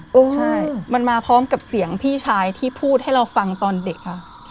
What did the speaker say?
ใช่มันมาพร้อมกับเสียงพี่ชายที่พูดให้เราฟังตอนเด็กค่ะ